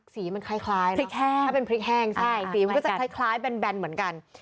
สีมันคล้ายนะถ้าเป็นพริกแห้งใช่สีมันก็จะคล้ายแบนเหมือนกัน